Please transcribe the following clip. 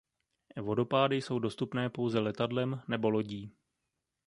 Vodopády jsou dostupné pouze letadlem nebo lodí.